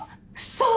そう！